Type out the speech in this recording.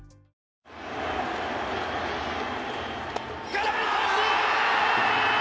空振り三振！